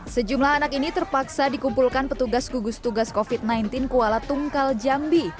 sejumlah anak ini terpaksa dikumpulkan petugas gugus tugas covid sembilan belas kuala tungkal jambi